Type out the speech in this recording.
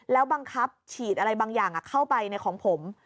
แล้วบังคับฉีดอะไรบางอย่างเข้าไปในของผม